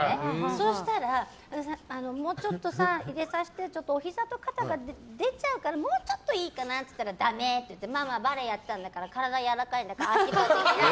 そうしたらもうちょっと入れさせておひざと肩が出ちゃうからもうちょっといいかな？って言ったら、ダメって言ってママ、バレエやってたんだから体やわらかいからって。